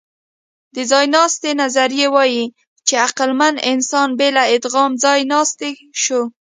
د ځایناستي نظریه وايي، چې عقلمن انسان بې له ادغام ځایناستی شو.